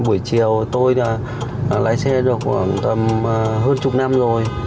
chín mươi một buổi chiều tôi là lái xe được khoảng hơn chục năm rồi